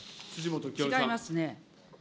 違いますね。